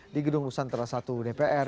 di gedung lusantara satu dpr